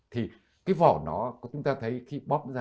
thì cái vỏ đó chúng ta thấy khi bóp ra